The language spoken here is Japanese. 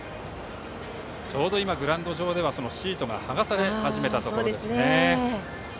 ちょうど今グラウンド上ではシートがはがされ始めたところですね。